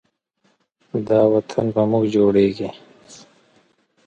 دا وطن په موږ جوړیږي.